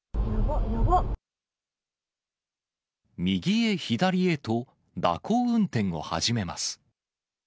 右へ左へと、蛇行運転を始めます。